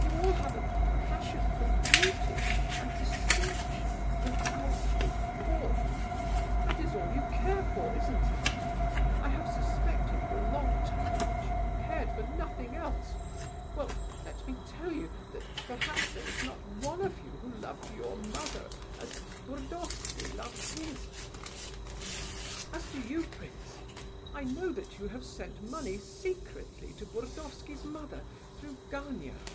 You all have a passion for beauty and distinction in outward forms; that is all you care for, isn't it? I have suspected for a long time that you cared for nothing else! Well, let me tell you that perhaps there is not one of you who loved your mother as Burdovsky loved his. As to you, prince, I know that you have sent money secretly to Burdovsky's mother through Gania.